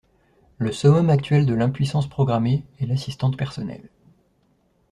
Le summum actuel de l’impuissance programmée est l’assistante personnelle.